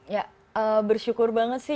ya bersyukur banget sih